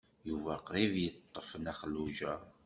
Yuba qrib yeṭṭef Nna Xelluǧa.